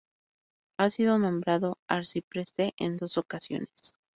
Ha sido nombrado arcipreste en dos ocasiones.